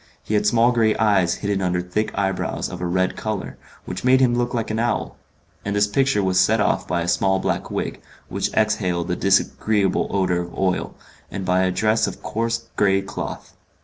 He had small grey eyes hidden under thick eyebrows of a red colour, which made him look like an owl; and this picture was set off by a small black wig, which exhaled a disagreeable odour of oil, and by a dress of coarse grey cloth.